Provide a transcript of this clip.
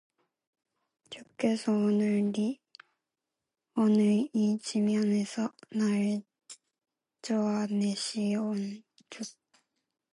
주께서 오늘 이 지면에서 나를 쫓아 내시온즉